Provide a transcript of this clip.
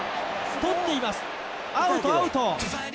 捕っています、アウト、アウト。